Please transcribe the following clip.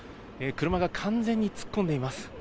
車が完全に突っ込んでいます。